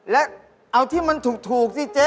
และเอาที่มันถูกสิเจ๊